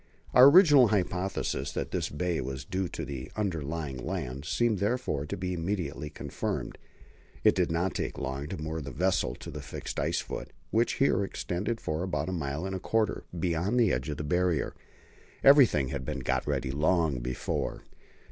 Our original hypothesis that this bay was due to underlying land seemed, therefore, to be immediately confirmed. It did not take long to moor the vessel to the fixed ice foot, which here extended for about a mile and a quarter beyond the edge of the Barrier. Everything had been got ready long before.